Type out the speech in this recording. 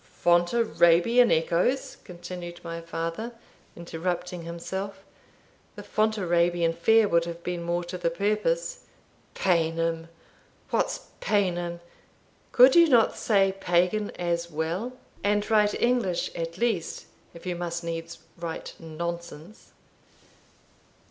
"Fontarabian echoes!" continued my father, interrupting himself; "the Fontarabian Fair would have been more to the purpose Paynim! What's Paynim? Could you not say Pagan as well, and write English at least, if you must needs write nonsense?